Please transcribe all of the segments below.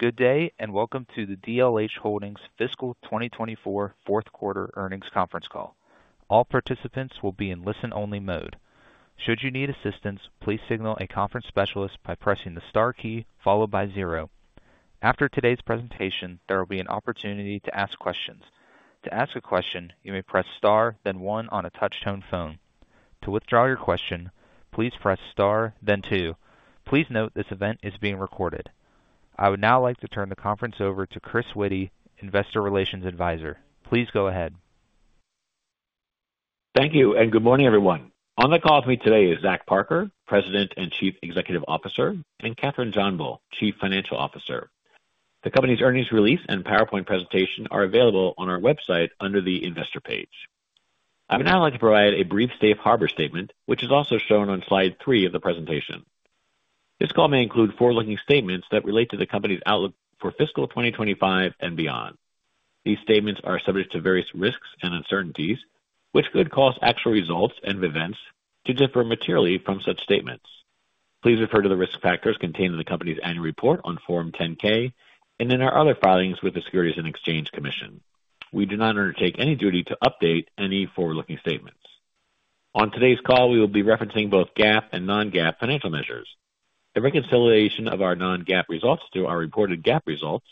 Good day and welcome to the DLH Holdings' Fiscal 2024 Fourth Quarter Earnings Conference Call. All participants will be in listen-only mode. Should you need assistance, please signal a conference specialist by pressing the star key followed by zero. After today's presentation, there will be an opportunity to ask questions. To ask a question, you may press star, then one on a touch-tone phone. To withdraw your question, please press star, then two. Please note this event is being recorded. I would now like to turn the conference over to Chris Witty, Investor Relations Advisor. Please go ahead. Thank you and good morning, everyone. On the call with me today is Zach Parker, President and Chief Executive Officer, and Kathryn Johnbull, Chief Financial Officer. The company's earnings release and PowerPoint presentation are available on our website under the investor page. I would now like to provide a brief safe harbor statement, which is also shown on slide three of the presentation. This call may include forward-looking statements that relate to the company's outlook for Fiscal 2025 and beyond. These statements are subject to various risks and uncertainties, which could cause actual results and events to differ materially from such statements. Please refer to the risk factors contained in the company's annual report on Form 10-K and in our other filings with the Securities and Exchange Commission. We do not undertake any duty to update any forward-looking statements. On today's call, we will be referencing both GAAP and non-GAAP financial measures. The reconciliation of our non-GAAP results to our reported GAAP results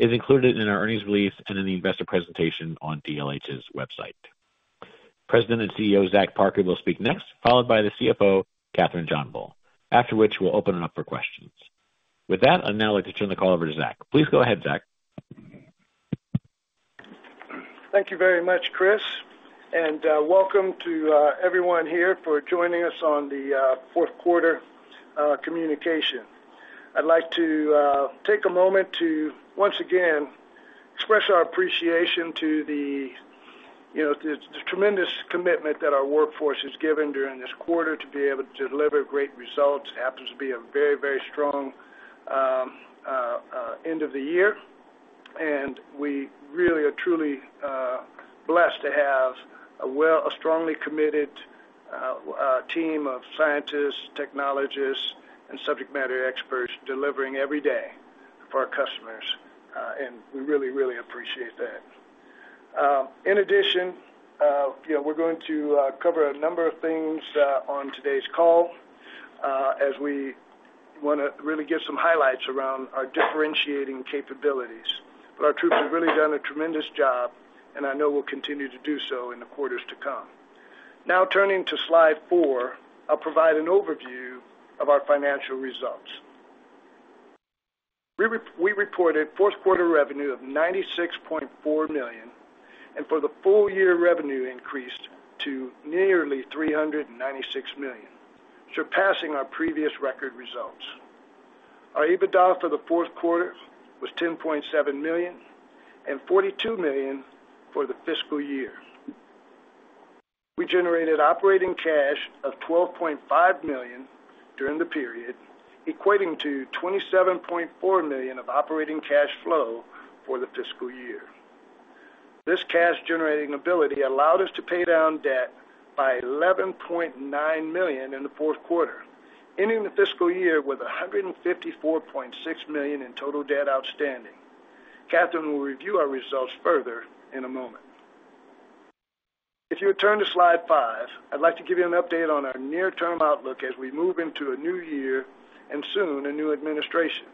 is included in our earnings release and in the investor presentation on DLH's website. President and CEO Zach Parker will speak next, followed by the CFO, Kathryn Johnbull, after which we'll open it up for questions. With that, I'd now like to turn the call over to Zach. Please go ahead, Zach. Thank you very much, Chris, and welcome to everyone here for joining us on the Fourth Quarter Communication. I'd like to take a moment to, once again, express our appreciation to the tremendous commitment that our workforce has given during this quarter to be able to deliver great results. It happens to be a very, very strong end of the year, and we really are truly blessed to have a strongly committed team of scientists, technologists, and subject matter experts delivering every day for our customers, and we really, really appreciate that. In addition, we're going to cover a number of things on today's call as we want to really give some highlights around our differentiating capabilities, but our troops have really done a tremendous job, and I know we'll continue to do so in the quarters to come. Now, turning to slide four, I'll provide an overview of our financial results. We reported fourth quarter revenue of $96.4 million, and for the full year, revenue increased to nearly $396 million, surpassing our previous record results. Our EBITDA for the fourth quarter was $10.7 million and $42 million for the fiscal year. We generated operating cash of $12.5 million during the period, equating to $27.4 million of operating cash flow for the fiscal year. This cash-generating ability allowed us to pay down debt by $11.9 million in the fourth quarter, ending the fiscal year with $154.6 million in total debt outstanding. Kathryn will review our results further in a moment. If you would turn to slide five, I'd like to give you an update on our near-term outlook as we move into a new year and soon a new administration.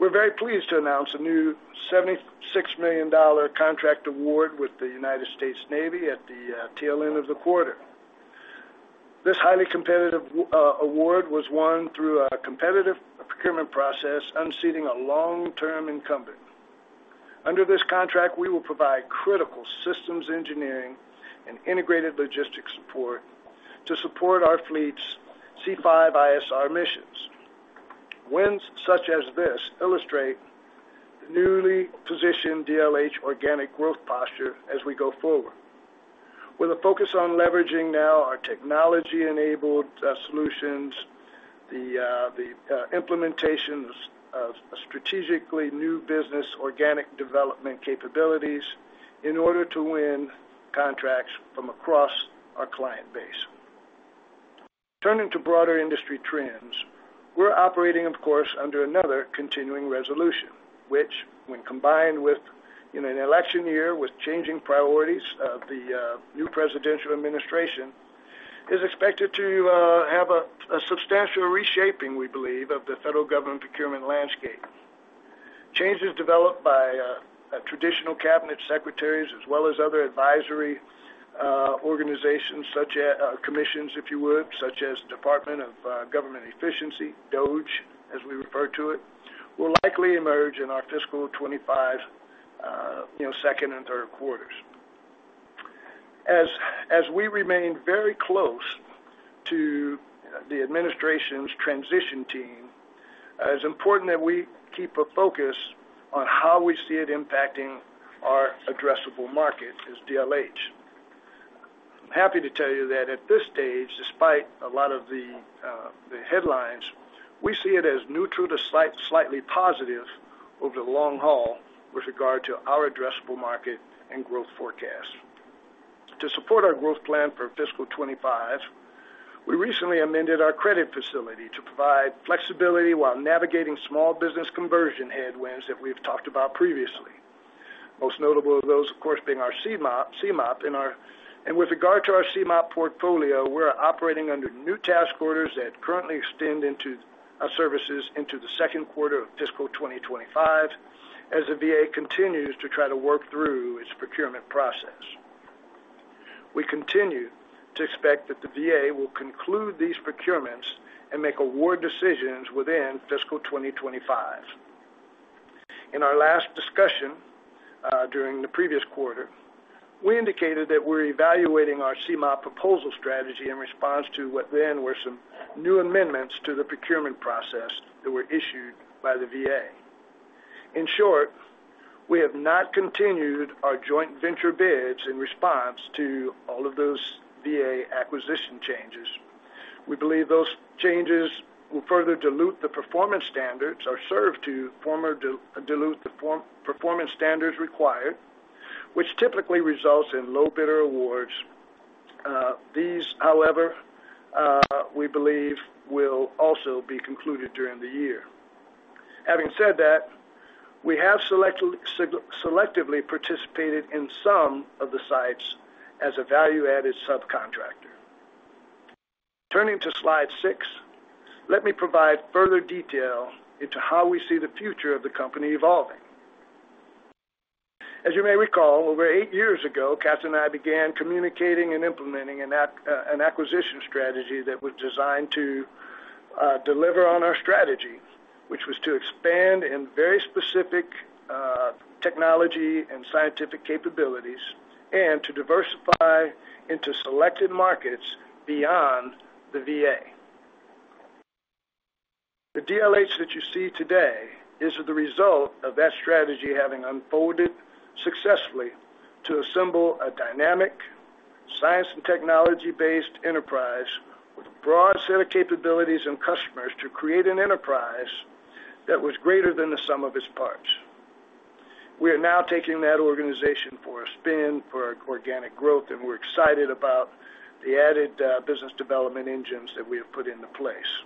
We're very pleased to announce a new $76 million contract award with the United States Navy at the tail end of the quarter. This highly competitive award was won through a competitive procurement process unseating a long-term incumbent. Under this contract, we will provide critical systems engineering and integrated logistics support to support our fleet's C5ISR missions. Wins such as this illustrate the newly positioned DLH organic growth posture as we go forward. With a focus on leveraging now our technology-enabled solutions, the implementation of strategically new business organic development capabilities in order to win contracts from across our client base. Turning to broader industry trends, we're operating, of course, under another continuing resolution, which, when combined with an election year with changing priorities of the new presidential administration, is expected to have a substantial reshaping, we believe, of the federal government procurement landscape. Changes developed by traditional cabinet secretaries as well as other advisory organizations, commissions, if you would, such as the Department of Government Efficiency, DOGE, as we refer to it, will likely emerge in our fiscal 2025 second and third quarters. As we remain very close to the administration's transition team, it is important that we keep a focus on how we see it impacting our addressable market as DLH. I'm happy to tell you that at this stage, despite a lot of the headlines, we see it as neutral to slightly positive over the long haul with regard to our addressable market and growth forecast. To support our growth plan for fiscal 2025, we recently amended our credit facility to provide flexibility while navigating small business conversion headwinds that we've talked about previously, most notable of those, of course, being our CMOP. With regard to our CMOP portfolio, we're operating under new task orders that currently extend our services into the second quarter of fiscal 2025 as the VA continues to try to work through its procurement process. We continue to expect that the VA will conclude these procurements and make award decisions within fiscal 2025. In our last discussion during the previous quarter, we indicated that we're evaluating our CMOP proposal strategy in response to what then were some new amendments to the procurement process that were issued by the VA. In short, we have not continued our joint venture bids in response to all of those VA acquisition changes. We believe those changes will further dilute the performance standards or serve to further dilute the performance standards required, which typically results in low bidder awards. These, however, we believe, will also be concluded during the year. Having said that, we have selectively participated in some of the sites as a value-added subcontractor. Turning to slide six, let me provide further detail into how we see the future of the company evolving. As you may recall, over eight years ago, Kathryn and I began communicating and implementing an acquisition strategy that was designed to deliver on our strategy, which was to expand in very specific technology and scientific capabilities and to diversify into selected markets beyond the VA. The DLH that you see today is the result of that strategy having unfolded successfully to assemble a dynamic science and technology-based enterprise with a broad set of capabilities and customers to create an enterprise that was greater than the sum of its parts. We are now taking that organization for a spin for organic growth, and we're excited about the added business development engines that we have put into place.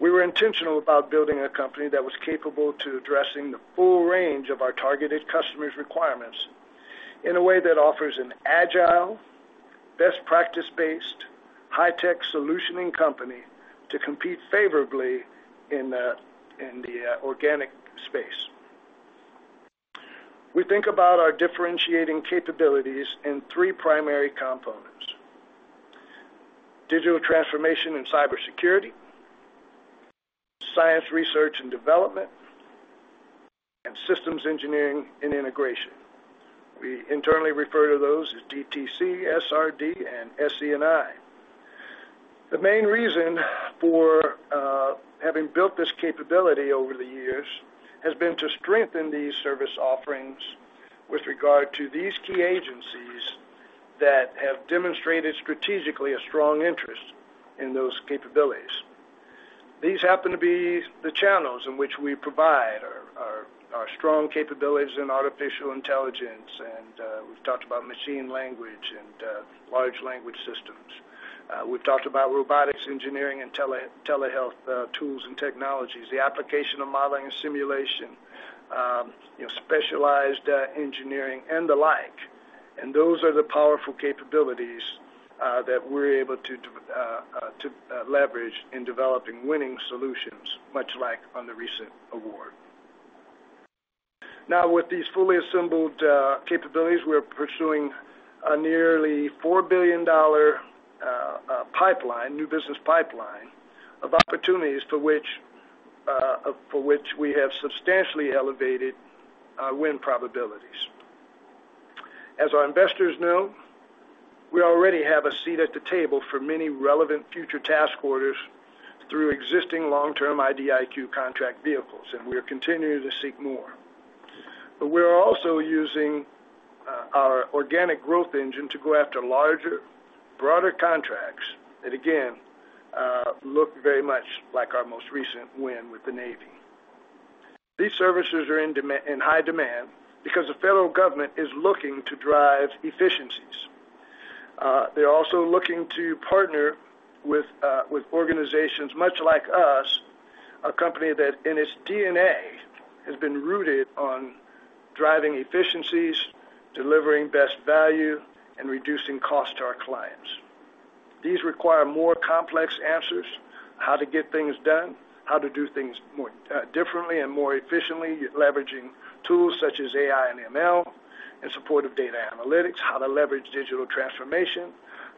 We were intentional about building a company that was capable of addressing the full range of our targeted customers' requirements in a way that offers an agile, best practice-based, high-tech solutioning company to compete favorably in the organic space. We think about our differentiating capabilities in three primary components: digital transformation and cybersecurity, science research and development, and systems engineering and integration. We internally refer to those as DTC, SRD, and SE&I. The main reason for having built this capability over the years has been to strengthen these service offerings with regard to these key agencies that have demonstrated strategically a strong interest in those capabilities. These happen to be the channels in which we provide our strong capabilities in artificial intelligence, and we've talked about machine learning and large language models. We've talked about robotics engineering and telehealth tools and technologies, the application of modeling and simulation, specialized engineering, and the like, and those are the powerful capabilities that we're able to leverage in developing winning solutions, much like on the recent award. Now, with these fully assembled capabilities, we're pursuing a nearly $4 billion new business pipeline of opportunities for which we have substantially elevated our win probabilities. As our investors know, we already have a seat at the table for many relevant future task orders through existing long-term IDIQ contract vehicles, and we're continuing to seek more. But we're also using our organic growth engine to go after larger, broader contracts that, again, look very much like our most recent win with the Navy. These services are in high demand because the federal government is looking to drive efficiencies. They're also looking to partner with organizations much like us, a company that in its DNA has been rooted on driving efficiencies, delivering best value, and reducing costs to our clients. These require more complex answers: how to get things done, how to do things differently and more efficiently, leveraging tools such as AI and ML in support of data analytics, how to leverage digital transformation,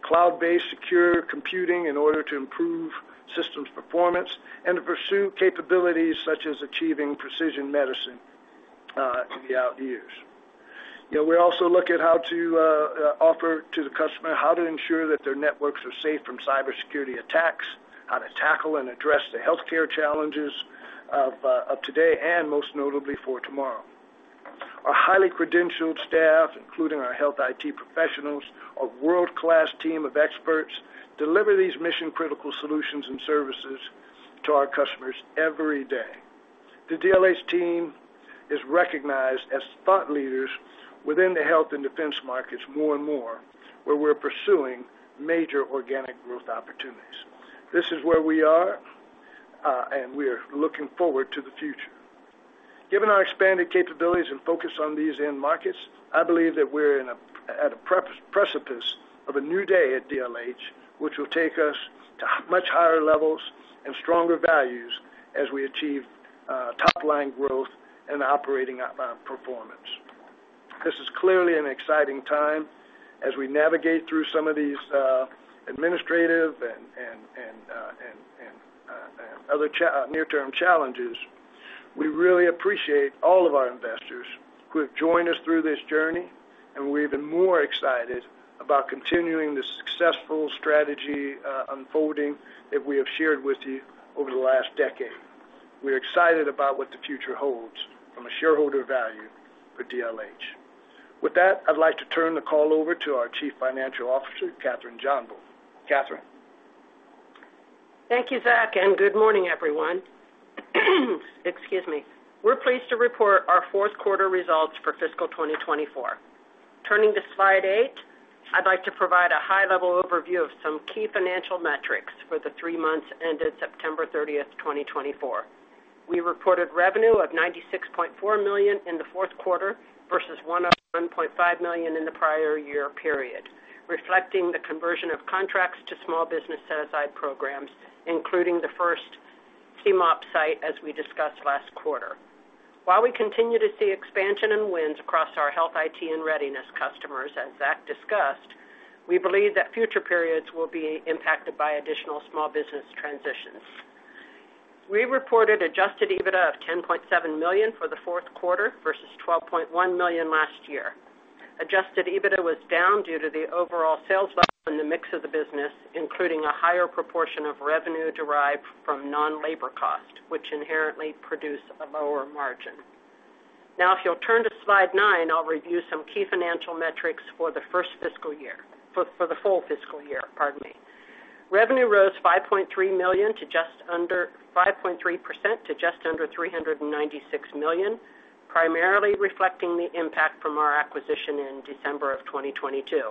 cloud-based secure computing in order to improve systems performance, and to pursue capabilities such as achieving precision medicine in the out years. We also look at how to offer to the customer how to ensure that their networks are safe from cybersecurity attacks, how to tackle and address the healthcare challenges of today and most notably for tomorrow. Our highly credentialed staff, including our health IT professionals, a world-class team of experts, deliver these mission-critical solutions and services to our customers every day. The DLH team is recognized as thought leaders within the health and defense markets more and more, where we're pursuing major organic growth opportunities. This is where we are, and we are looking forward to the future. Given our expanded capabilities and focus on these end markets, I believe that we're at a precipice of a new day at DLH, which will take us to much higher levels and stronger values as we achieve top-line growth and operating performance. This is clearly an exciting time. As we navigate through some of these administrative and other near-term challenges, we really appreciate all of our investors who have joined us through this journey, and we're even more excited about continuing the successful strategy unfolding that we have shared with you over the last decade. We're excited about what the future holds from a shareholder value for DLH. With that, I'd like to turn the call over to our Chief Financial Officer, Kathryn Johnbull. Kathryn. Thank you, Zach, and good morning, everyone. Excuse me. We're pleased to report our fourth quarter results for fiscal 2024. Turning to slide eight, I'd like to provide a high-level overview of some key financial metrics for the three months ended September 30, 2024. We reported revenue of $96.4 million in the fourth quarter versus $101.5 million in the prior year period, reflecting the conversion of contracts to small business set-aside programs, including the first CMOP site as we discussed last quarter. While we continue to see expansion and wins across our health IT and readiness customers, as Zach discussed, we believe that future periods will be impacted by additional small business transitions. We reported Adjusted EBITDA of $10.7 million for the fourth quarter versus $12.1 million last year. Adjusted EBITDA was down due to the overall sales level in the mix of the business, including a higher proportion of revenue derived from non-labor cost, which inherently produced a lower margin. Now, if you'll turn to slide nine, I'll review some key financial metrics for the first fiscal year, for the full fiscal year, pardon me. Revenue rose $5.3 million to just under 5.3% to just under $396 million, primarily reflecting the impact from our acquisition in December of 2022,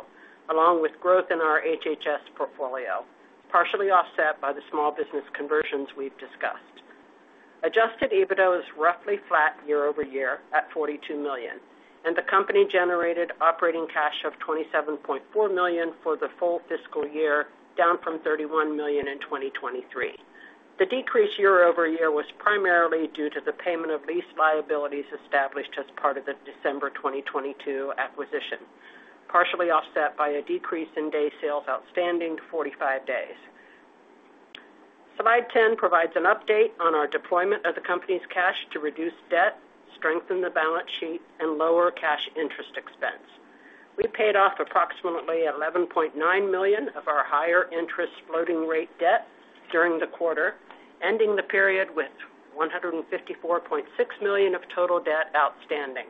along with growth in our HHS portfolio, partially offset by the small business conversions we've discussed. Adjusted EBITDA was roughly flat year over year at $42 million, and the company generated operating cash of $27.4 million for the full fiscal year, down from $31 million in 2023. The decrease year over year was primarily due to the payment of lease liabilities established as part of the December 2022 acquisition, partially offset by a decrease in days sales outstanding to 45 days. Slide 10 provides an update on our deployment of the company's cash to reduce debt, strengthen the balance sheet, and lower cash interest expense. We paid off approximately $11.9 million of our higher interest floating rate debt during the quarter, ending the period with $154.6 million of total debt outstanding.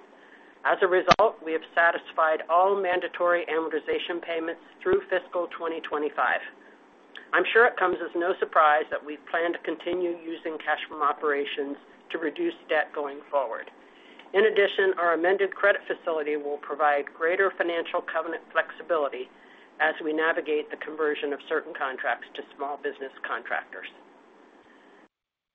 As a result, we have satisfied all mandatory amortization payments through fiscal 2025. I'm sure it comes as no surprise that we plan to continue using cash from operations to reduce debt going forward. In addition, our amended credit facility will provide greater financial covenant flexibility as we navigate the conversion of certain contracts to small business contractors.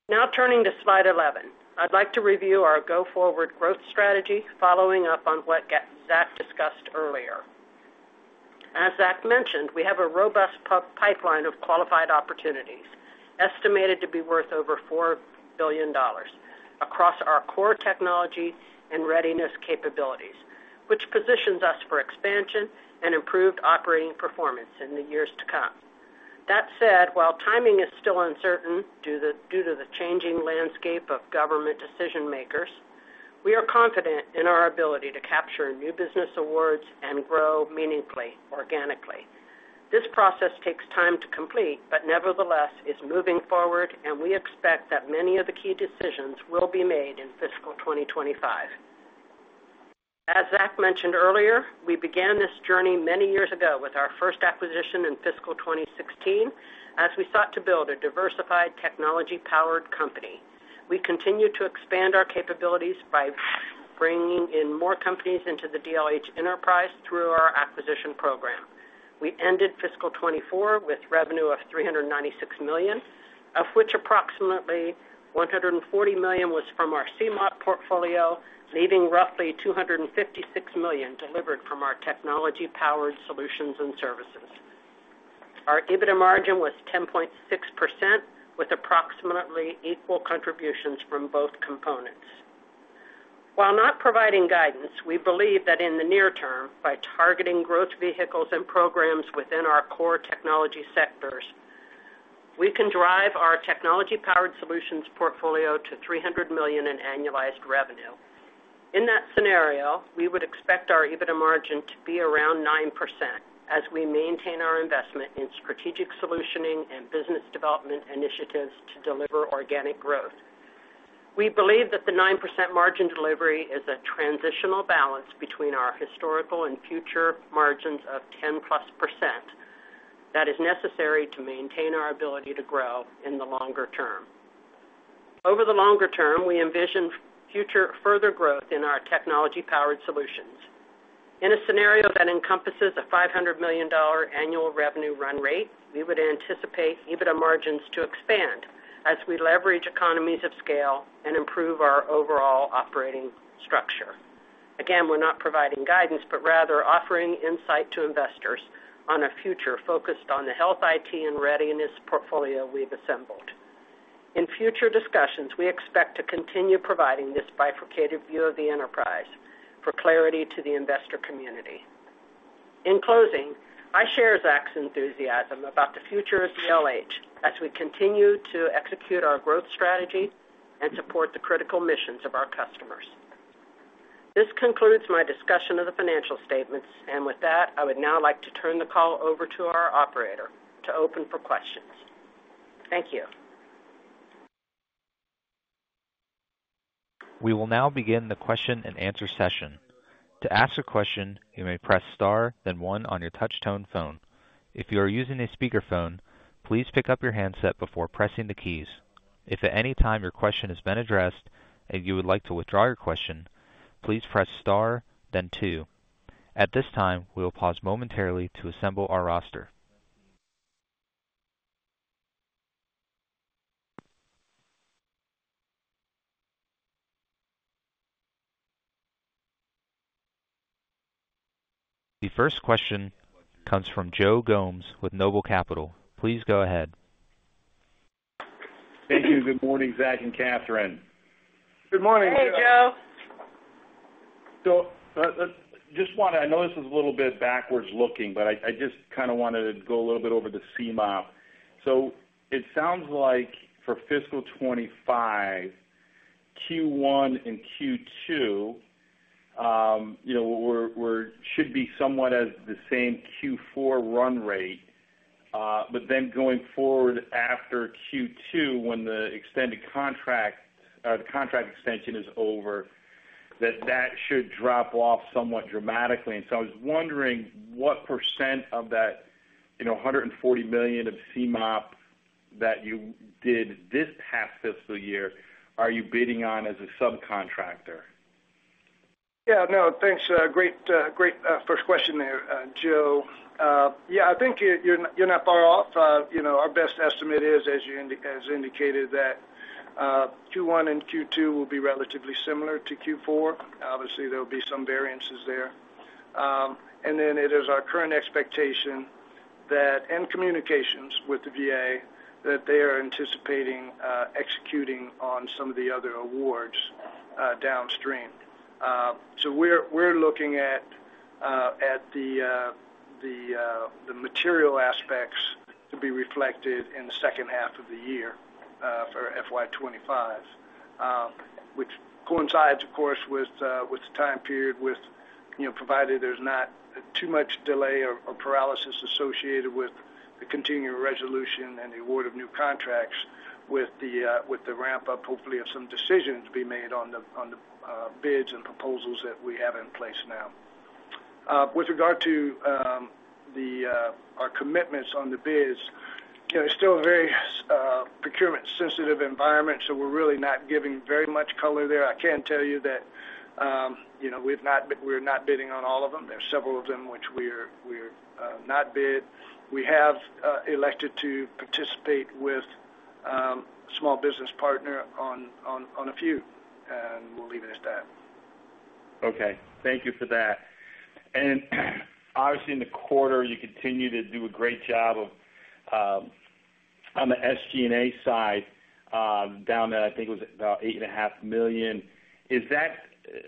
Now, turning to slide 11, I'd like to review our go-forward growth strategy following up on what Zach discussed earlier. As Zach mentioned, we have a robust pipeline of qualified opportunities estimated to be worth over $4 billion across our core technology and readiness capabilities, which positions us for expansion and improved operating performance in the years to come. That said, while timing is still uncertain due to the changing landscape of government decision-makers, we are confident in our ability to capture new business awards and grow meaningfully, organically. This process takes time to complete, but nevertheless is moving forward, and we expect that many of the key decisions will be made in fiscal 2025. As Zach mentioned earlier, we began this journey many years ago with our first acquisition in fiscal 2016 as we sought to build a diversified technology-powered company. We continue to expand our capabilities by bringing in more companies into the DLH enterprise through our acquisition program. We ended fiscal 2024 with revenue of $396 million, of which approximately $140 million was from our CMOP portfolio, leaving roughly $256 million delivered from our technology-powered solutions and services. Our EBITDA margin was 10.6% with approximately equal contributions from both components. While not providing guidance, we believe that in the near term, by targeting growth vehicles and programs within our core technology sectors, we can drive our technology-powered solutions portfolio to $300 million in annualized revenue. In that scenario, we would expect our EBITDA margin to be around 9% as we maintain our investment in strategic solutioning and business development initiatives to deliver organic growth. We believe that the 9% margin delivery is a transitional balance between our historical and future margins of 10-plus% that is necessary to maintain our ability to grow in the longer term. Over the longer term, we envision future further growth in our technology-powered solutions. In a scenario that encompasses a $500 million annual revenue run rate, we would anticipate EBITDA margins to expand as we leverage economies of scale and improve our overall operating structure. Again, we're not providing guidance, but rather offering insight to investors on a future focused on the health IT and readiness portfolio we've assembled. In future discussions, we expect to continue providing this bifurcated view of the enterprise for clarity to the investor community. In closing, I share Zach's enthusiasm about the future of DLH as we continue to execute our growth strategy and support the critical missions of our customers. This concludes my discussion of the financial statements, and with that, I would now like to turn the call over to our operator to open for questions. Thank you. We will now begin the question-and-answer session. To ask a question, you may press star, then one on your touch-tone phone. If you are using a speakerphone, please pick up your handset before pressing the keys. If at any time your question has been addressed and you would like to withdraw your question, please press star, then two. At this time, we will pause momentarily to assemble our roster. The first question comes from Joe Gomes with Noble Capital. Please go ahead. Thank you. Good morning, Zach and Kathryn. Good morning, Joe. Hey, Joe. So I just want to, I know this is a little bit backward-looking, but I just kind of wanted to go a little bit over the CMOP. So it sounds like for fiscal 25, Q1 and Q2 should be somewhat as the same Q4 run rate, but then going forward after Q2, when the extended contract or the contract extension is over, that that should drop off somewhat dramatically. And so I was wondering what % of that $140 million of CMOP that you did this past fiscal year are you bidding on as a subcontractor? Yeah. No, thanks. Great first question there, Joe. Yeah, I think you're not far off. Our best estimate is, as indicated, that Q1 and Q2 will be relatively similar to Q4. Obviously, there will be some variances there. And then it is our current expectation that, and communications with the VA, that they are anticipating executing on some of the other awards downstream. So we're looking at the material aspects to be reflected in the second half of the year for FY25, which coincides, of course, with the time period, provided there's not too much delay or paralysis associated with the continuing resolution and the award of new contracts with the ramp-up, hopefully, of some decisions to be made on the bids and proposals that we have in place now. With regard to our commitments on the bids, it's still a very procurement-sensitive environment, so we're really not giving very much color there. I can tell you that we're not bidding on all of them. There are several of them which we're not bid. We have elected to participate with a small business partner on a few, and we'll leave it at that. Okay. Thank you for that. And obviously, in the quarter, you continue to do a great job on the SG&A side down to, I think it was about $8.5 million. Is that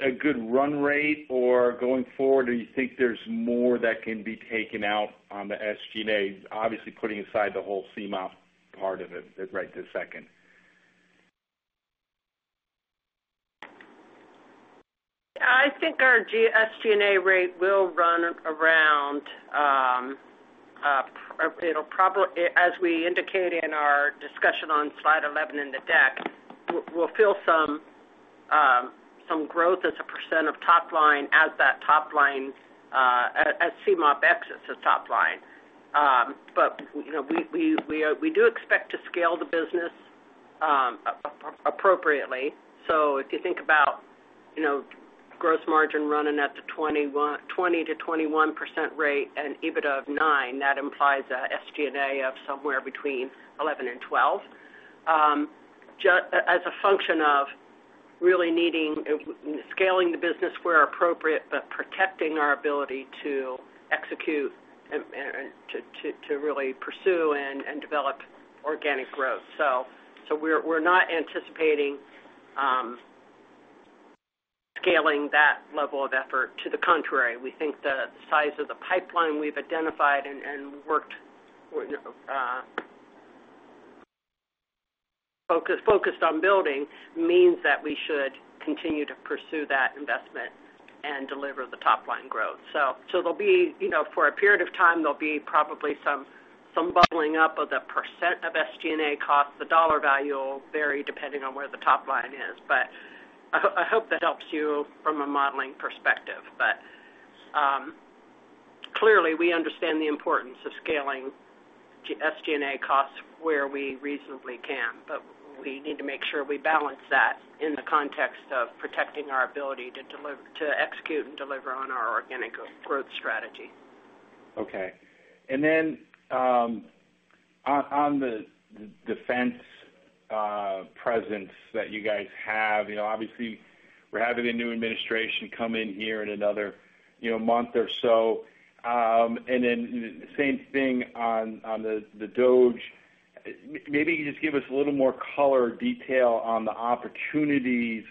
a good run rate, or going forward, do you think there's more that can be taken out on the SG&A, obviously putting aside the whole CMOP part of it right this second? I think our SG&A rate will run around, as we indicate in our discussion on slide 11 in the deck, we'll feel some growth as a percent of top line as that top line as CMOP exits as top line. But we do expect to scale the business appropriately. If you think about gross margin running at the 20%-21% rate and EBITDA of 9%, that implies a SG&A of somewhere between 11%-12% as a function of really needing scaling the business where appropriate, but protecting our ability to execute and to really pursue and develop organic growth. We're not anticipating scaling that level of effort. To the contrary, we think the size of the pipeline we've identified and worked focused on building means that we should continue to pursue that investment and deliver the top line growth. For a period of time, there'll be probably some bubbling up of the % of SG&A cost. The dollar value will vary depending on where the top line is. But I hope that helps you from a modeling perspective. But clearly, we understand the importance of scaling SG&A costs where we reasonably can, but we need to make sure we balance that in the context of protecting our ability to execute and deliver on our organic growth strategy. Okay. And then on the defense presence that you guys have, obviously, we're having a new administration come in here in another month or so. And then same thing on the DOGE. Maybe you just give us a little more color detail on the opportunities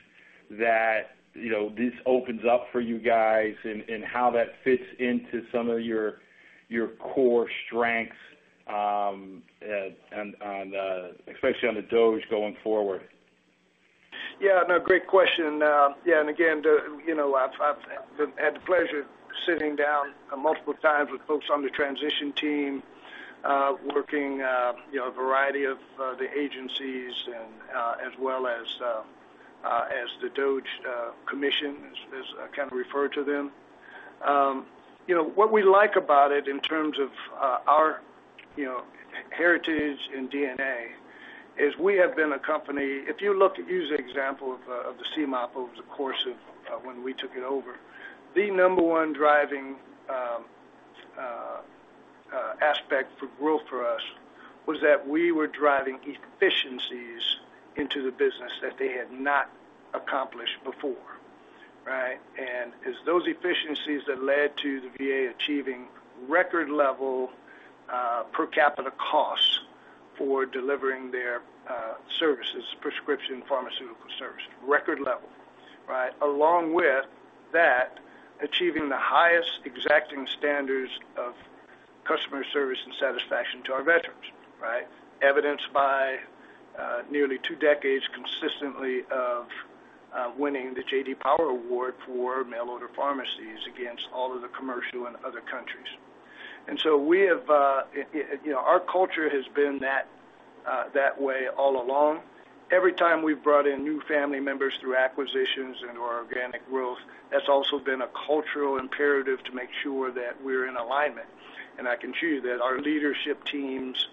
that this opens up for you guys and how that fits into some of your core strengths, especially on the DOGE going forward. Yeah. No, great question. Yeah. And again, I've had the pleasure of sitting down multiple times with folks on the transition team working a variety of the agencies as well as the DOGE commission, as I kind of refer to them. What we like about it in terms of our heritage and DNA is we have been a company. If you look at, use the example of the CMOP over the course of when we took it over, the number one driving aspect for growth for us was that we were driving efficiencies into the business that they had not accomplished before, right? And it's those efficiencies that led to the VA achieving record-level per capita costs for delivering their services, prescription pharmaceutical services, record level, right? Along with that, achieving the highest exacting standards of customer service and satisfaction to our veterans, right? Evidenced by nearly two decades consistently winning the J.D. Power Award for mail-order pharmacies against all of the commercial and other countries. And so our culture has been that way all along. Every time we've brought in new family members through acquisitions and/or organic growth, that's also been a cultural imperative to make sure that we're in alignment. And I can assure you that our leadership teams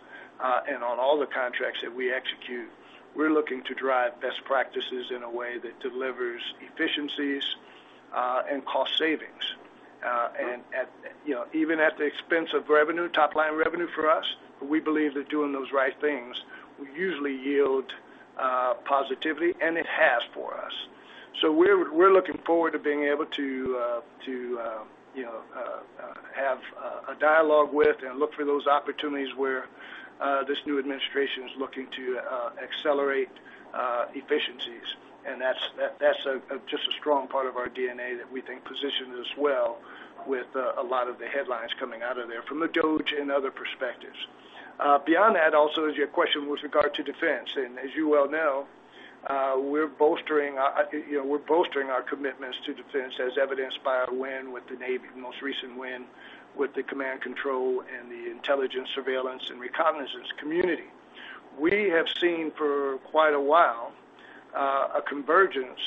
and on all the contracts that we execute, we're looking to drive best practices in a way that delivers efficiencies and cost savings. And even at the expense of revenue, top line revenue for us, we believe that doing those right things will usually yield positivity, and it has for us. So we're looking forward to being able to have a dialogue with and look for those opportunities where this new administration is looking to accelerate efficiencies. And that's just a strong part of our DNA that we think positions us well with a lot of the headlines coming out of there from the DOGE and other perspectives. Beyond that, also, is your question with regard to defense? And as you well know, we're bolstering our commitments to defense as evidenced by our win with the Navy, the most recent win with the command and control and the intelligence surveillance and reconnaissance community. We have seen for quite a while a convergence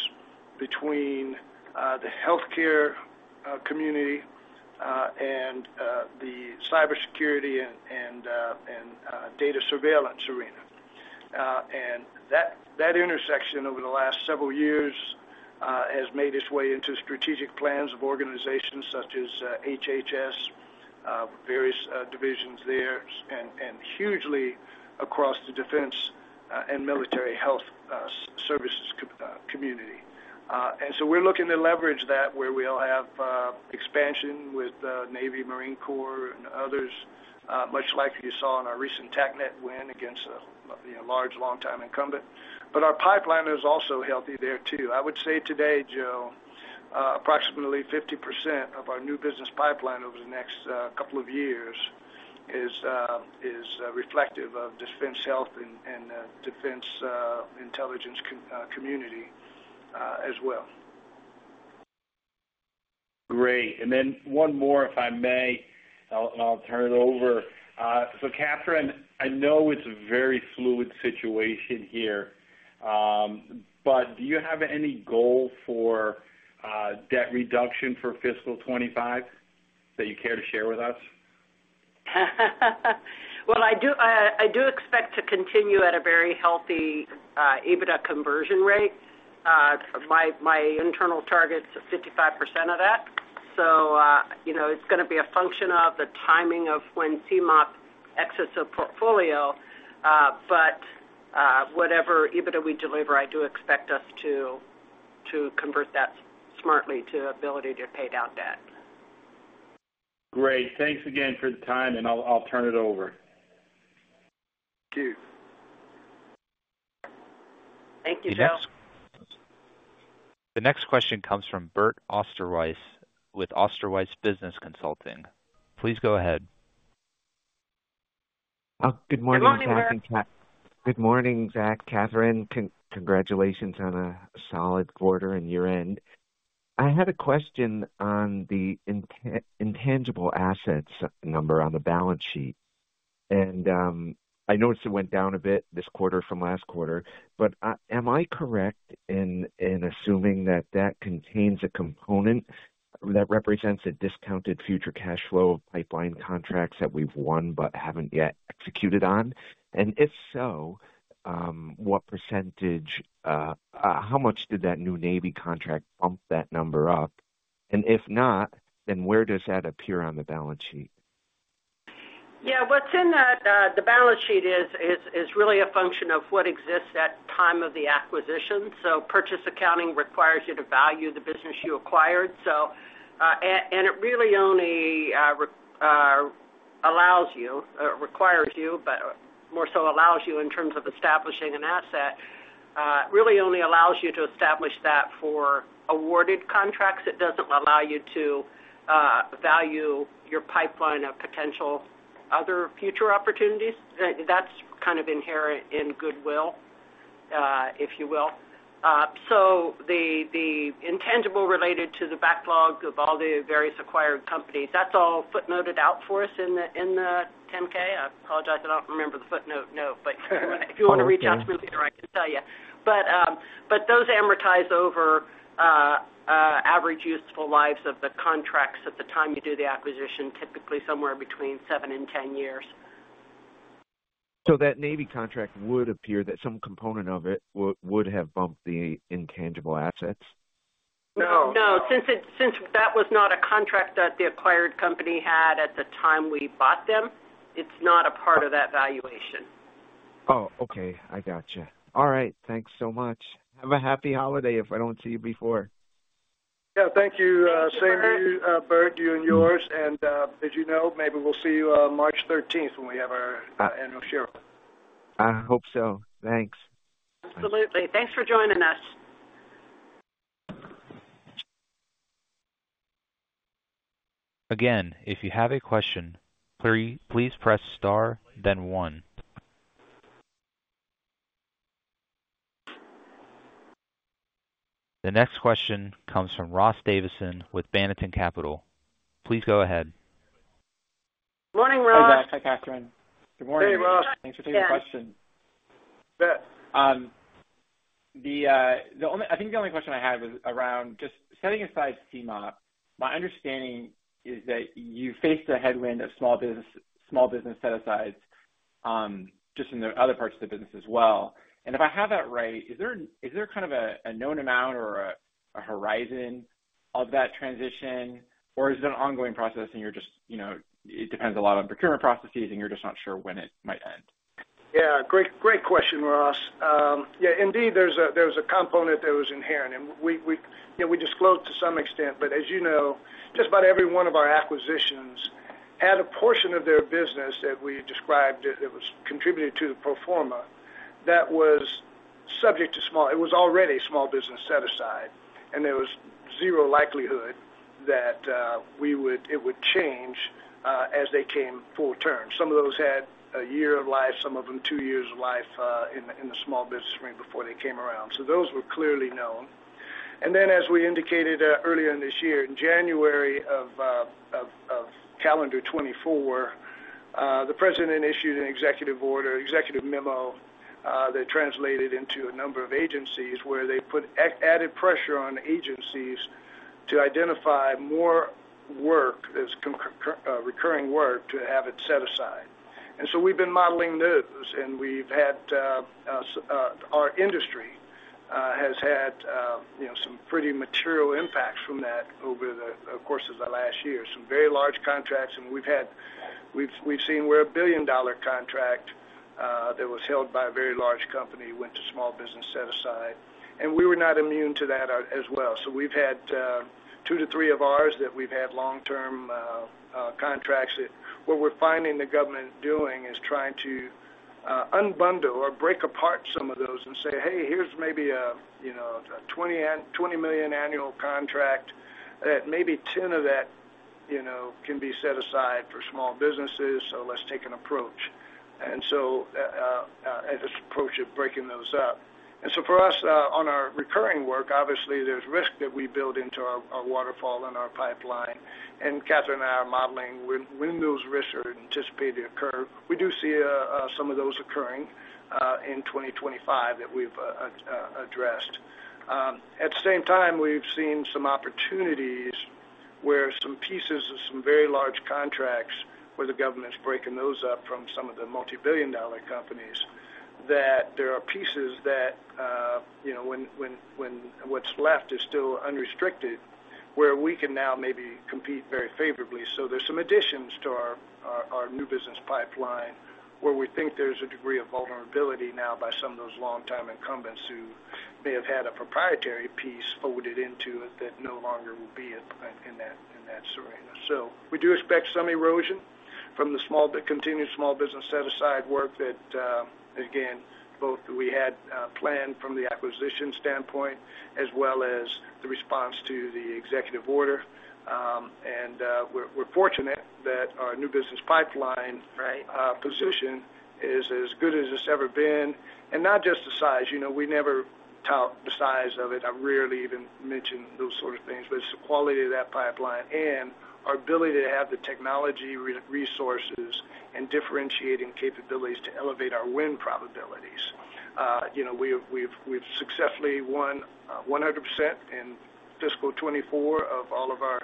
between the healthcare community and the cybersecurity and data surveillance arena. And that intersection over the last several years has made its way into strategic plans of organizations such as HHS, various divisions there, and hugely across the defense and military health services community. And so we're looking to leverage that where we'll have expansion with the Navy, Marine Corps, and others, much like you saw in our recent TACNET win against a large, long-time incumbent. But our pipeline is also healthy there too. I would say today, Joe, approximately 50% of our new business pipeline over the next couple of years is reflective of defense health and defense intelligence community as well. Great. And then one more, if I may, and I'll turn it over. So Kathryn, I know it's a very fluid situation here, but do you have any goal for debt reduction for fiscal 2025 that you care to share with us? Well, I do expect to continue at a very healthy EBITDA conversion rate. My internal target's 55% of that. So it's going to be a function of the timing of when CMOP exits the portfolio. But whatever EBITDA we deliver, I do expect us to convert that smartly to ability to pay down debt. Great. Thanks again for the time, and I'll turn it over. Thank you. Thank you, Joe. The next question comes from Bert Osterweis with Osterweis Business Consulting. Please go ahead. Good morning, Zach. Kathryn, congratulations on a solid quarter and year-end. I had a question on the intangible assets number on the balance sheet. I noticed it went down a bit this quarter from last quarter. But am I correct in assuming that that contains a component that represents a discounted future cash flow of pipeline contracts that we've won but haven't yet executed on? And if so, what percentage, how much did that new Navy contract bump that number up? And if not, then where does that appear on the balance sheet? Yeah. What's in the balance sheet is really a function of what exists at the time of the acquisition. So purchase accounting requires you to value the business you acquired. And it really only allows you, requires you, but more so allows you in terms of establishing an asset, really only allows you to establish that for awarded contracts. It doesn't allow you to value your pipeline of potential other future opportunities. That's kind of inherent in goodwill, if you will. So the intangible related to the backlog of all the various acquired companies, that's all footnoted out for us in the 10-K. I apologize I don't remember the footnote note, but if you want to reach out to me later, I can tell you. But those amortize over average useful lives of the contracts at the time you do the acquisition, typically somewhere between seven and 10 years. So that Navy contract would appear that some component of it would have bumped the intangible assets? No. No. Since that was not a contract that the acquired company had at the time we bought them, it's not a part of that valuation. Oh, okay. I gotcha. All right. Thanks so much. Have a happy holiday if I don't see you before. Yeah. Thank you. Same to you, Bert, you and yours. And as you know, maybe we'll see you March 13th when we have our annual shareholder. I hope so. Thanks. Absolutely. Thanks for joining us. Again, if you have a question, please press star, then one. The next question comes from Ross Davisson with Banneton Capital. Please go ahead. Good morning, Ross. Hi, Kathryn. Good morning. Hey, Ross. Thanks for taking the question. I think the only question I had was around just setting aside CMOP. My understanding is that you faced a headwind of small business set-asides just in the other parts of the business as well, and if I have that right, is there kind of a known amount or a horizon of that transition, or is it an ongoing process and you're just, it depends a lot on procurement processes and you're just not sure when it might end? Yeah. Great question, Ross. Yeah. Indeed, there's a component that was inherent, and we disclosed to some extent, but as you know, just about every one of our acquisitions had a portion of their business that we described that was contributed to the pro forma that was subject to small, it was already small business set-aside, and there was zero likelihood that it would change as they came full turn. Some of those had a year of life, some of them two years of life in the small business range before they came around. So those were clearly known. And then, as we indicated earlier in this year, in January of calendar 2024, the president issued an executive order, executive memo that translated into a number of agencies where they put added pressure on agencies to identify more work, recurring work, to have it set aside. And so we've been modeling those, and we've had our industry has had some pretty material impacts from that over the course of the last year. Some very large contracts, and we've seen where a $1 billion contract that was held by a very large company went to small business set-aside. And we were not immune to that as well. So we've had two to three of ours that we've had long-term contracts. What we're finding the government doing is trying to unbundle or break apart some of those and say, "Hey, here's maybe a $20 million annual contract that maybe $10 million of that can be set aside for small businesses, so let's take an approach." And so this approach of breaking those up. And so for us, on our recurring work, obviously, there's risk that we build into our waterfall and our pipeline. And Kathryn and I are modeling when those risks are anticipated to occur. We do see some of those occurring in 2025 that we've addressed. At the same time, we've seen some opportunities where some pieces of some very large contracts where the government's breaking those up from some of the multi-billion-dollar companies that there are pieces that when what's left is still unrestricted where we can now maybe compete very favorably. So there's some additions to our new business pipeline where we think there's a degree of vulnerability now by some of those long-time incumbents who may have had a proprietary piece folded into it that no longer will be in that survey. So we do expect some erosion from the continued small business set-aside work that, again, both we had planned from the acquisition standpoint as well as the response to the executive order. And we're fortunate that our new business pipeline position is as good as it's ever been. And not just the size. We never talk the size of it. I rarely even mention those sort of things. But it's the quality of that pipeline and our ability to have the technology resources and differentiating capabilities to elevate our win probabilities. We've successfully won 100% in fiscal 2024 of all of our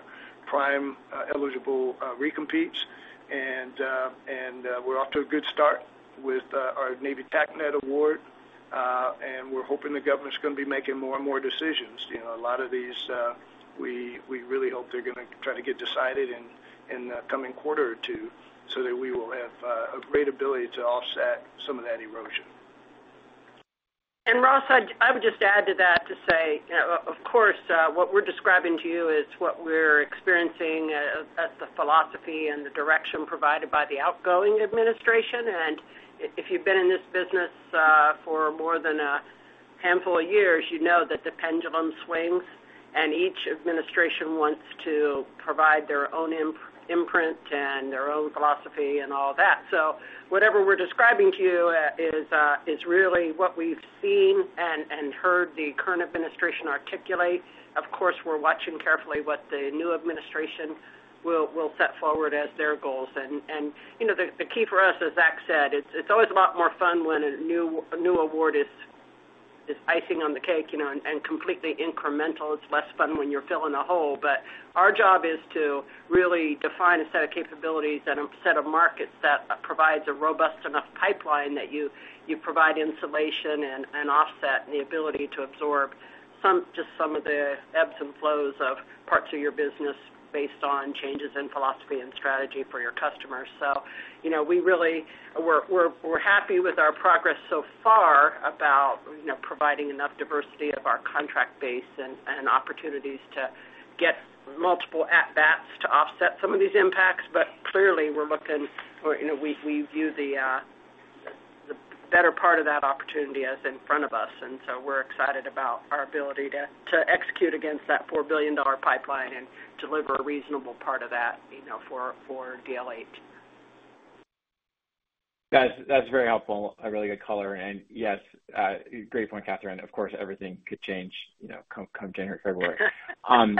prime eligible recompetes. We're off to a good start with our Navy TACNET award. We're hoping the government's going to be making more and more decisions. A lot of these, we really hope they're going to try to get decided in the coming quarter or two so that we will have a great ability to offset some of that erosion. Ross, I would just add to that to say, of course, what we're describing to you is what we're experiencing as the philosophy and the direction provided by the outgoing administration. If you've been in this business for more than a handful of years, you know that the pendulum swings. Each administration wants to provide their own imprint and their own philosophy and all that. Whatever we're describing to you is really what we've seen and heard the current administration articulate. Of course, we're watching carefully what the new administration will set forward as their goals. And the key for us, as Zach said, it's always a lot more fun when a new award is icing on the cake and completely incremental. It's less fun when you're filling a hole. But our job is to really define a set of capabilities and a set of markets that provides a robust enough pipeline that you provide insulation and offset and the ability to absorb just some of the ebbs and flows of parts of your business based on changes in philosophy and strategy for your customers. So we really were happy with our progress so far about providing enough diversity of our contract base and opportunities to get multiple at-bats to offset some of these impacts. Clearly, we're looking for we view the better part of that opportunity as in front of us. And so we're excited about our ability to execute against that $4 billion pipeline and deliver a reasonable part of that for DLH. That's very helpful. A really good color. And yes, great point, Kathryn. Of course, everything could change come January or February and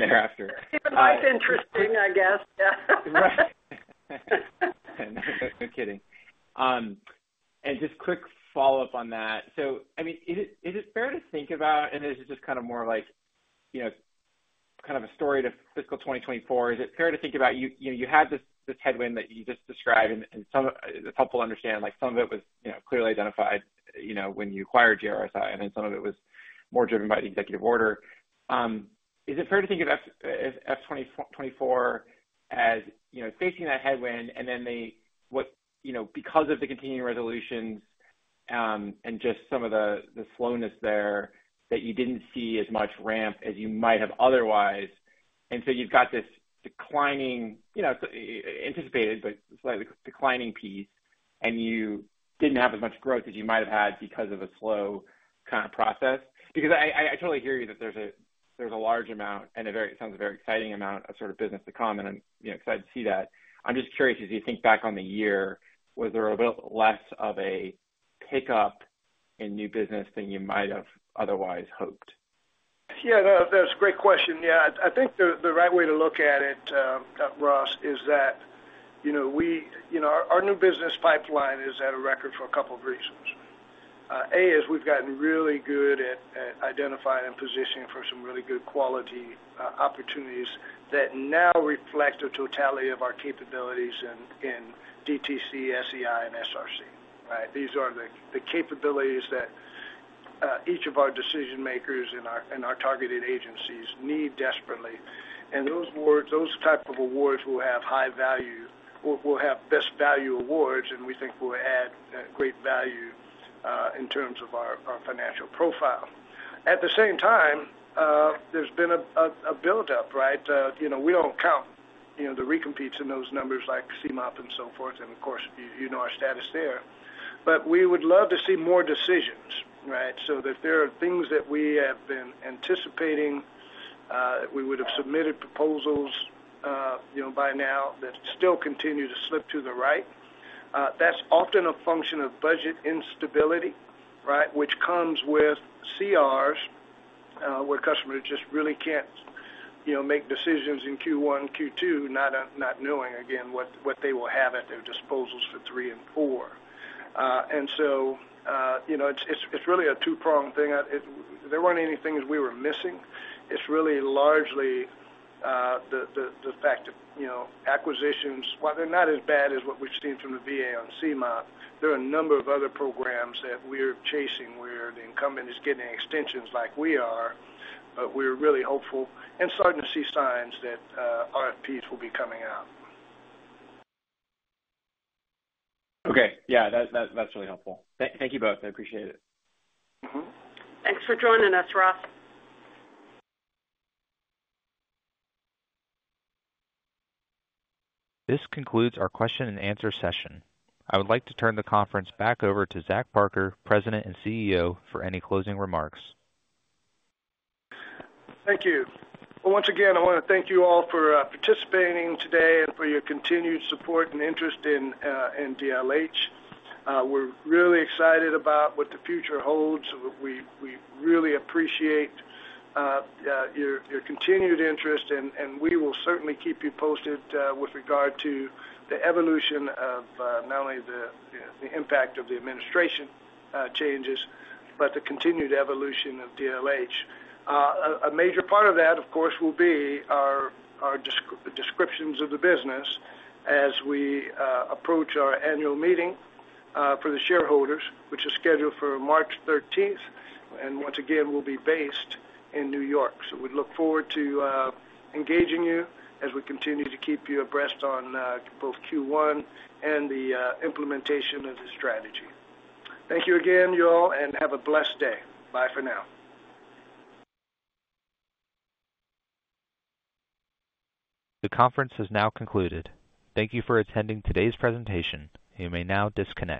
thereafter. It's interesting, I guess. Right. No kidding. And just quick follow-up on that. So I mean, is it fair to think about, and this is just kind of more like kind of a story to fiscal 2024, is it fair to think about you had this headwind that you just described? And it's helpful to understand some of it was clearly identified when you acquired GRSi, and then some of it was more driven by the executive order. Is it fair to think of F-24 as facing that headwind, and then because of the continuing resolutions and just some of the slowness there that you didn't see as much ramp as you might have otherwise? And so you've got this declining-anticipated, but slightly declining piece-and you didn't have as much growth as you might have had because of a slow kind of process. Because I totally hear you that there's a large amount, and it sounds a very exciting amount of sort of business to come, and I'm excited to see that. I'm just curious, as you think back on the year, was there a little less of a pickup in new business than you might have otherwise hoped? Yeah. That's a great question. Yeah. I think the right way to look at it, Ross, is that our new business pipeline is at a record for a couple of reasons. A, is we've gotten really good at identifying and positioning for some really good quality opportunities that now reflect the totality of our capabilities in DTC, SE&I, and SRD. These are the capabilities that each of our decision-makers and our targeted agencies need desperately. And those types of awards will have high value, will have best value awards, and we think will add great value in terms of our financial profile. At the same time, there's been a build-up, right? We don't count the recompetes in those numbers like CMOP and so forth, and of course, you know our status there. But we would love to see more decisions, right? So if there are things that we have been anticipating, we would have submitted proposals by now that still continue to slip to the right. That's often a function of budget instability, right, which comes with CRs where customers just really can't make decisions in Q1, Q2, not knowing, again, what they will have at their disposal for three and four. And so it's really a two-pronged thing. There weren't any things we were missing. It's really largely the fact that acquisitions, while they're not as bad as what we've seen from the VA on CMOP, there are a number of other programs that we're chasing where the incumbent is getting extensions like we are, but we're really hopeful and starting to see signs that RFPs will be coming out. Okay. Yeah. That's really helpful. Thank you both. I appreciate it. Thanks for joining us, Ross. This concludes our question-and-answer session. I would like to turn the conference back over to Zach Parker, President and CEO, for any closing remarks. Thank you. Once again, I want to thank you all for participating today and for your continued support and interest in DLH. We're really excited about what the future holds. We really appreciate your continued interest, and we will certainly keep you posted with regard to the evolution of not only the impact of the administration changes but the continued evolution of DLH. A major part of that, of course, will be our descriptions of the business as we approach our annual meeting for the shareholders, which is scheduled for March 13th. Once again, we'll be based in New York. We look forward to engaging you as we continue to keep you abreast on both Q1 and the implementation of the strategy. Thank you again, y'all, and have a blessed day. Bye for now. The conference has now concluded. Thank you for attending today's presentation. You may now disconnect.